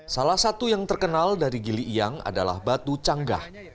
salah satu yang terkenal dari gili iang adalah batu canggah